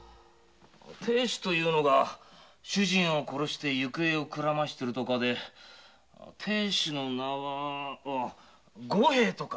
亭主が主人を殺し行方をくらませているとかで亭主の名は五平とか。